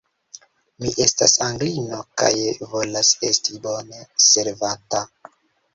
Mi estas Anglino, kaj volas esti bone servata.